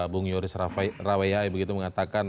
bung yoris raweyai begitu mengatakan